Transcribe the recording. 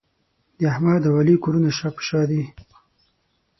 د احمد او علي کورونه شا په شا دي.